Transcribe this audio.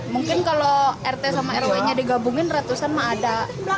mungkin kalau rt sama rw nya digabungin ratusan mah ada